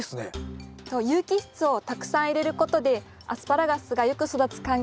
有機質をたくさん入れることでアスパラガスがよく育つ環境になるんです。